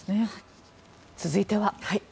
続いては。